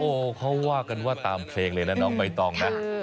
โอ้โหเขาว่ากันว่าตามเพลงเลยนะน้องใบตองนะ